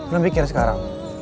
lu pikir sekarang